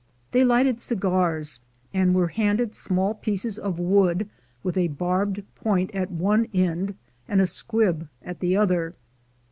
They lighted cigars, and were handed small pieces of wood, with a barbed point at one end and a squib at the other.